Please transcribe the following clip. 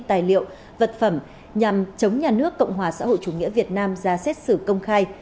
tài liệu vật phẩm nhằm chống nhà nước cộng hòa xã hội chủ nghĩa việt nam ra xét xử công khai